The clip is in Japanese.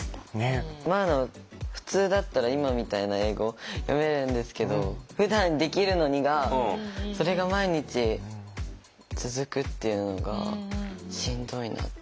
普通だったら今みたいな英語読めるんですけど「ふだんできるのに」がそれが毎日続くっていうのがしんどいなって。